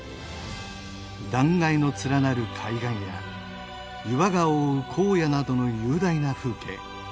断崖の連なる海岸や岩が覆う荒野などの雄大な風景